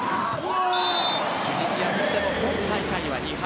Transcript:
チュニジアも今大会は２敗。